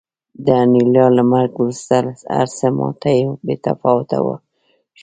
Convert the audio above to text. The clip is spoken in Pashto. د انیلا له مرګ وروسته هرڅه ماته بې تفاوته شول